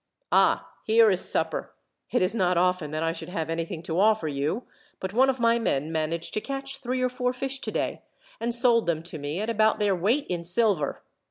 "Ah, here is supper! It is not often that I should have anything to offer you, but one of my men managed to catch three or four fish today, and sold them to me at about their weight in silver.